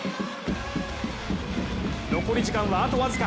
残り時間は、あと僅か。